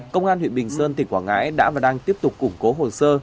công an huyện bình sơn tỉnh quảng ngãi đã và đang tiếp tục củng cố hồ sơ